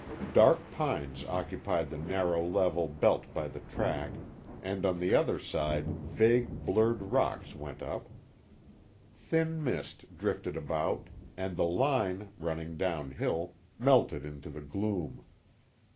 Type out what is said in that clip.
Dark pines occupied the narrow level belt by the track, and on the other side vague blurred rocks went up. Thin mist drifted about, and the line, running downhill, melted into the gloom.